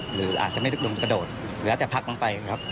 หรืออาจจะไม่ได้กระโดดหรืออาจจะพักลงไป